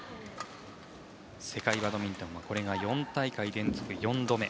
世界バドミントンは４大会連続４度目。